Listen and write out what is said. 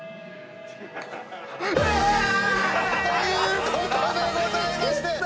イェーイ！ということでございまして。